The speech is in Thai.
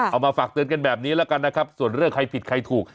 เอามาฝากเตือนกันแบบนี้แล้วกันนะครับส่วนเรื่องใครผิดใครถูก